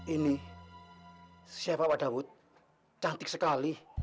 ini siapa pak daud cantik sekali